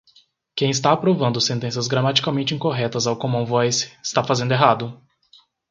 Quem está aprovando sentenças gramaticalmente incorretas ao Common Voice, está fazendo errado.